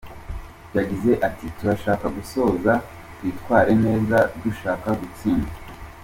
Yagize ati “Turashaka gusoza twitwara neza, dushaka gutsinda.